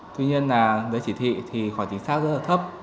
tuy nhiên là giấy chỉ thị thì khoảng chính xác rất là thấp